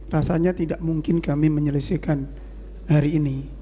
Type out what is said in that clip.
rasanya tidak mungkin kami menyelesaikan hari ini